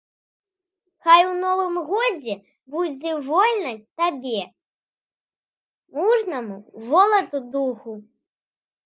Хай у новым годзе будзе вольна табе, мужнаму волату духу!